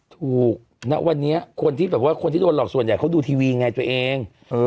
ณวันนี้คนที่แบบว่าคนที่โดนหลอกส่วนใหญ่เขาดูทีวีไงตัวเอง